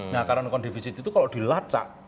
nah karena kondifisit itu kalau dilacak